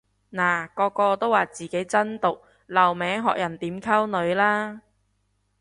嗱個個都話自己真毒留名學人點溝女啦